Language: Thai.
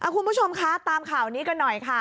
คุณผู้ชมคะตามข่าวนี้กันหน่อยค่ะ